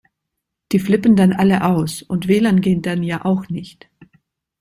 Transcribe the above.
Die flippen dann alle aus. Und W-Lan geht dann ja auch nicht.